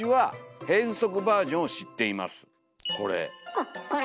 あっこれ。